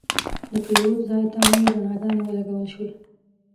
د پیرود ځای ته نوې رڼاګانې ولګول شوې.